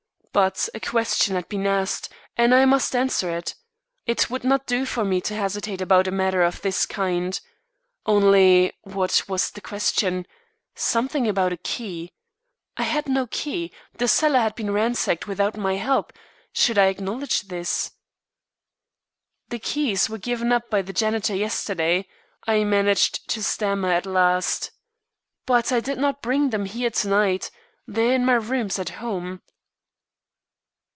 But a question had been asked, and I must answer it. It would not do for me to hesitate about a matter of this kind. Only what was the question. Something about a key. I had no key; the cellar had been ransacked without my help; should I acknowledge this? "The keys were given up by the janitor yesterday," I managed to stammer at last. "But I did not bring them here to night. They are in my rooms at home."